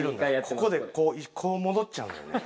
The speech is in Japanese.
ここでこう戻っちゃうのよね。